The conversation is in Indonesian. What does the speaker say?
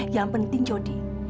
yang penting judi